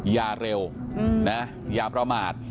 อย่าเร็วนะอย่าประมาท